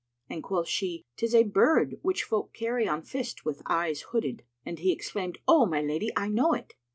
and quoth she, "'Tis a bird which folk carry on fist with eyes hooded." And he exclaimed, "O my lady, I know it."